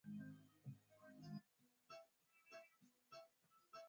Kuwepo kwa wadudu wanaongata husambaza sana ugonjwa